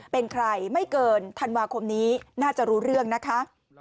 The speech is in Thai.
เป็นใครไม่เกินธันวาคมนี้น่าจะรู้เรื่องนะคะ